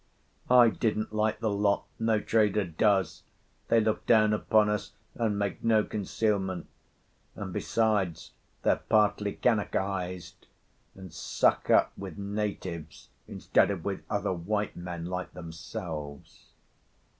I didn't like the lot, no trader does; they look down upon us, and make no concealment; and, besides, they're partly Kanakaised, and suck up with natives instead of with other white men like themselves.